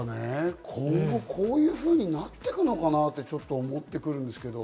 今後、こういうふうになってくのかなってちょっと思ってくるんですけど。